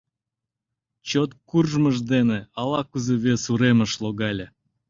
Чот куржмыж дене ала-кузе вес уремыш логале.